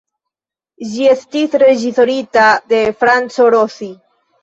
Ĝi estis reĝisorita de Franco Rossi.